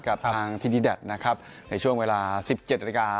กับทางทีมชาติแดดนะครับในช่วงเวลาสิบเจ็ดนาฬิกา